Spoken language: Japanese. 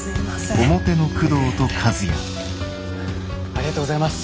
ありがとうございます。